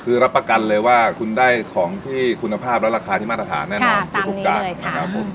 คือรับประกันเลยว่าคุณได้ของที่คุณภาพและราคาที่มาตรฐานแน่นอนถูกจานนะครับผม